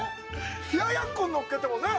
冷ややっこに乗っけてもねぇ？